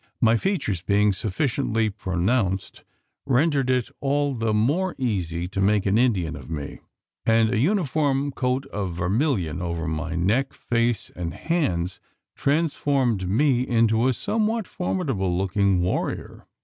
My features being sufficiently pronounced, rendered it all the more easy to make an Indian of me; and a uniform coat of vermilion over my neck, face, and hands, transformed me into a somewhat formidable looking warrior.